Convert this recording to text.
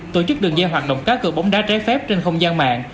tổ chức đường dây hoạt động cá cơ bóng đá trái phép trên không gian mạng